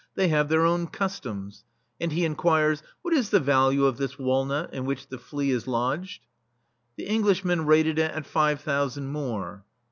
They have their own customs." And he inquires :" What is the value of this walnut, in which the flea is lodged?" The Englishmen rated it at five thou sand more.